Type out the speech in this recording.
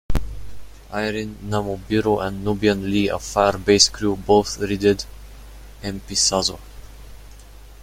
Iryn Namubiru and Nubian Lee of Fire Base Crew both re-did "Empisazo".